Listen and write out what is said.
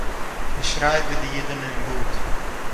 ער שרײַט ווי די ייִדענע אין באָד.